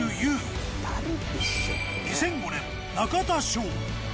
２００５年中田翔。